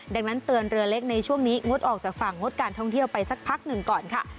ดังนั้นเตือนเรือเล็กในช่วงนี้งดออกจากฝั่งงดการท่องเที่ยวไปสักพักหนึ่งก่อนค่ะ